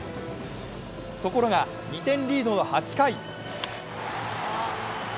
ところが２点リードの８回。